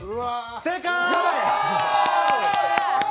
正解！